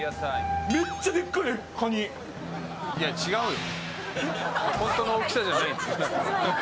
いや、違うよ。